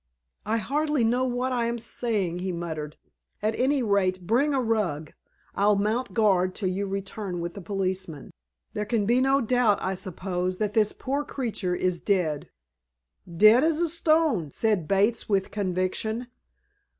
"I hardly know what I am saying," he muttered. "At any rate, bring a rug. I'll mount guard till you return with the policeman. There can be no doubt, I suppose, that this poor creature is dead." "Dead as a stone," said Bates with conviction.